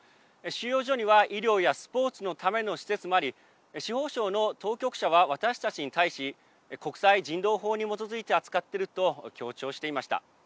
収容所には、医療やスポーツのための施設もあり司法省の当局者は私たちに対し、国際人道法に基づいて扱っていると強調していました。